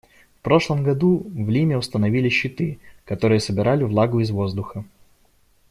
В прошлом году в Лиме установили щиты, которые собирали влагу из воздуха.